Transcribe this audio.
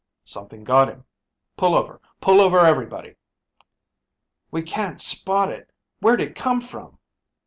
"Something got him. Pull over. Pull over everybody!" "We can't spot it. Where'd it come from?"